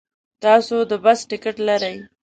تاسو د بس ټکټ لرئ؟